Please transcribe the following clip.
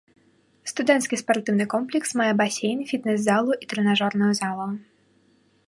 Студэнцкі спартыўны комплекс мае басейн, фітнес-залу і трэнажорную залу.